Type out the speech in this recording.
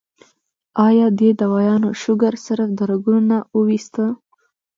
ايا دې دوايانو شوګر صرف د رګونو نه اوويستۀ